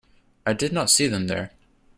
I did not see them there.